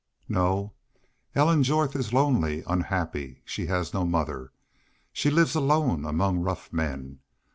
"No. Ellen Jorth is lonely, unhappy. She has no mother. She lives alone among rough men.